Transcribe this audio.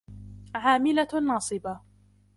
عاملة ناصبة